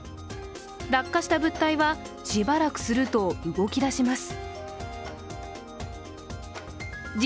落下した物体は、しばらくすると動きだします。